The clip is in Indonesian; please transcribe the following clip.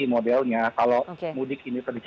nah kami memang sedang mencoba menghitung lagi